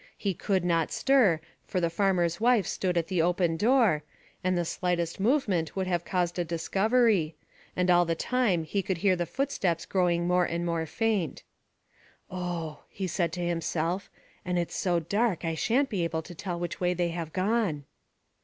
He could not stir, for the farmer's wife stood at the open door, and the slightest movement would have caused a discovery; and all the time he could hear the footsteps growing more and more faint. "Oh!" he said to himself; "and it's so dark I shan't be able to tell which way they have gone."